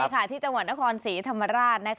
ใช่ค่ะที่จังหวัดนครศรีธรรมราช